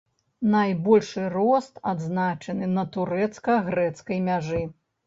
Найбольшы рост адзначаны на турэцка-грэцкай мяжы.